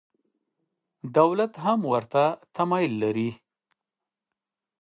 دولت هم ورته تمایل لري.